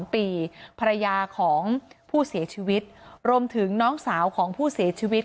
๒ปีภรรยาของผู้เสียชีวิตรวมถึงน้องสาวของผู้เสียชีวิต